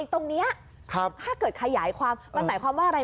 ตรงนี้ถ้าเกิดขยายความมันหมายความว่าอะไร